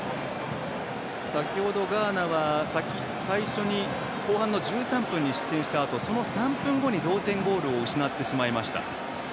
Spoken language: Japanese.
先ほど、ガーナは後半の１３分に失点したあとその３分後に同点ゴールを失ってしまいました。